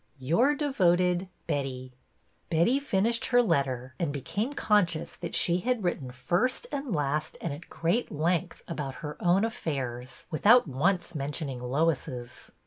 Your devoted Betty. Betty finished her letter and became conscious that she had written first and last and at great length about her own affairs, without once men tioning Lois's.